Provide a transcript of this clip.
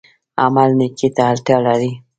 عمل نیکۍ ته اړتیا لري